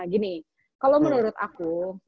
gini kalau menurut aku